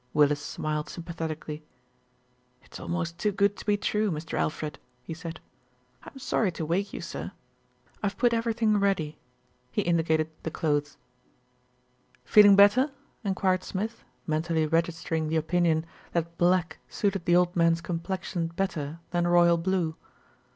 Willis smiled sympathetically. "It's almost too good to be true, Mr. Alfred," he said. "I'm sorry to wake you, sir. I've put everything ready," he indicated the clothes. 45 46 THE RETURN OF ALFRED "Feeling better?" enquired Smith, mentally register ing the opinion that black suited the old man's com plexion better than royal blue.